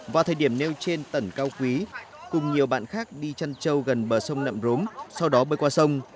vào thời điểm nêu trên tẩn cao quý cùng nhiều bạn khác đi chăn trâu gần bờ sông nậm rốm sau đó bơi qua sông